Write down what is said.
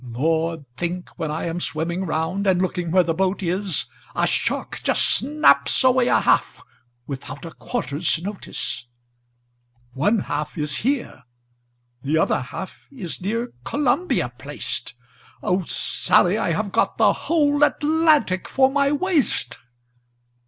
"Lord! think when I am swimming round. And looking where the boat is, A shark just snaps away a half, Without 'a quarterns notice/ Death's Ramble 801 '^One half is here, the other half Is near Columbia placed; O Sally, I have got the whole Atlantic for my waist.